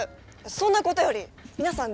そんなことより皆さん